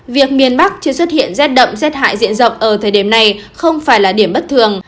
việc miền bắc chưa xuất hiện rét đậm rét hại diện rộng ở thời điểm này không phải là điểm bất thường